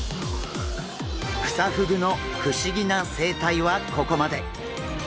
クサフグの不思議な生態はここまで。